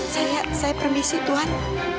saya permisi tuhan